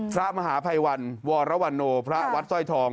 พระมหาภัยวันวรววันนูพระวัฒน์สร้อยทอง